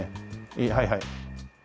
いいはいはい。